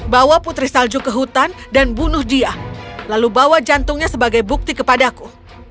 bawa putri salju ke hutan dan bunuh dia lalu bawa jantungnya sebagai bukti kepadaku